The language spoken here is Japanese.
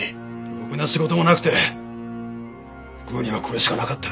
ろくな仕事もなくて食うにはこれしかなかった。